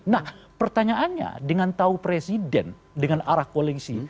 nah pertanyaannya dengan tahu presiden dengan arah koalisi